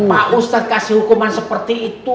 pak ustadz kasih hukuman seperti itu